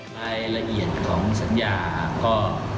รายละเอียดของสัญญาก็